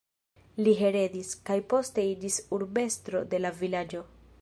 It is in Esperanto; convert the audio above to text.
Li heredis, kaj poste iĝis urbestro de la vilaĝo.